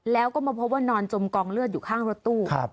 แล้วก็มาพบว่านอนจมกองเลือดอยู่ข้างรถตู้